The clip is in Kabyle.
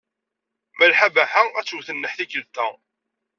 Malḥa Baḥa ad twet nneḥ tikkelt-a.